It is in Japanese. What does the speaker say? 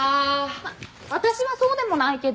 まあ私はそうでもないけど。